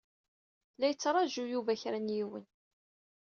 La yettraju Yuba kra n yiwen.